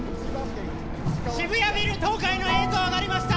渋谷ビル倒壊の映像上がりました。